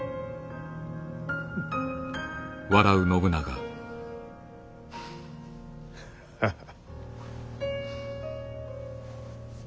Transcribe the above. フッハハハ。